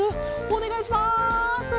おねがいします。